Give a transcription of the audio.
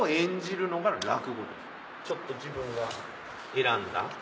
ちょっと自分が選んだ。